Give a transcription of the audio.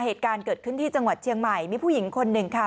เหตุการณ์เกิดขึ้นที่จังหวัดเชียงใหม่มีผู้หญิงคนหนึ่งค่ะ